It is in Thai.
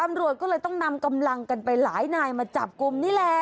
ตำรวจก็เลยต้องนำกำลังกันไปหลายนายมาจับกลุ่มนี่แหละ